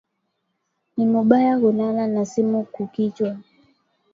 Ni mubaya kulala na simu ku kichwa